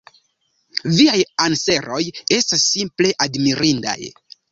Viaj anseroj estas simple admirindaj.